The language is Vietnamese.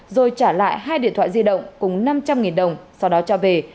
rồi trả lại hai điện thoại di động cùng năm trăm linh đồng sau đó cho về